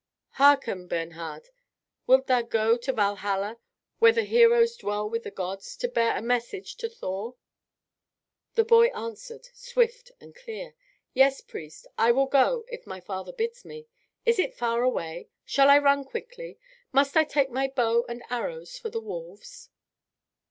Hearken, Bernhard, wilt thou go to Valhalla, where the heroes dwell with the gods, to bear a message to Thor?" The boy answered, swift and clear: "Yes, priest, I will go if my father bids me. Is it far away? Shall I run quickly? Must I take my bow and arrows for the wolves?"